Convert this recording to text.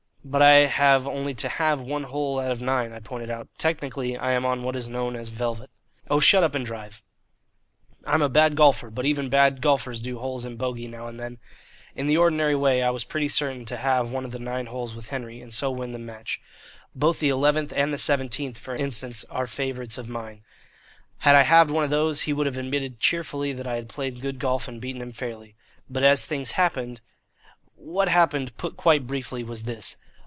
"But I have only to halve one hole out of nine," I pointed out. "Technically I am on what is known as velvet." "Oh, shut up and drive." I am a bad golfer, but even bad golfers do holes in bogey now and then. In the ordinary way I was pretty certain to halve one of the nine holes with Henry, and so win the match. Both the eleventh and the seventeenth, for instance, are favourites of mine. Had I halved one of those, he would have admitted cheerfully that I had played good golf and beaten him fairly. But as things happened What happened, put quite briefly, was this.